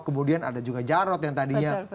kemudian ada juga jarod yang tadinya